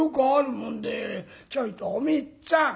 「ちょいとおみっつぁん。